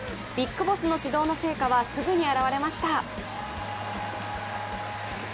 ビッグボスの指導の成果はすぐに表れました。